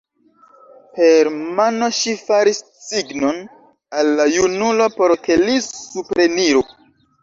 Per mano ŝi faris signon al la junulo, por ke li supreniru.